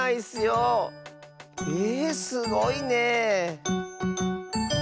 えすごいねえ。